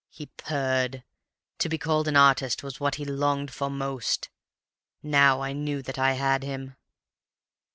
"He purred. To be called an artist was what he longed for most. Now I knew that I had him.